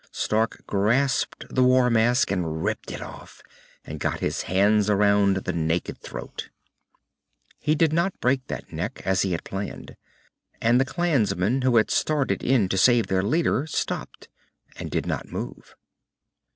Stark grasped the war mask and ripped it off, and got his hands around the naked throat. He did not break that neck, as he had planned. And the Clansmen who had started in to save their leader stopped and did not move.